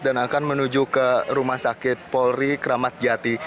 akan menuju ke rumah sakit polri kramat jati